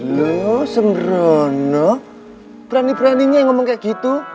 lo sembrono berani beraninya ngomong kayak gitu